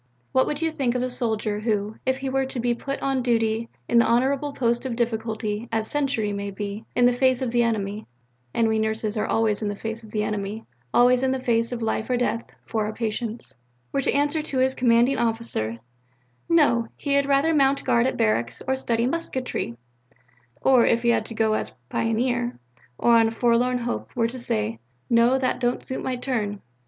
What would you think of a soldier who if he were to be put on duty in the honourable post of difficulty, as sentry may be, in the face of the enemy (and we nurses are always in the face of the enemy, always in the face of life or death for our patients) were to answer his commanding officer, 'No, he had rather mount guard at barracks or study musketry'; or, if he had to go as pioneer, or on a forlorn hope, were to say, 'No, that don't suit my turn?'"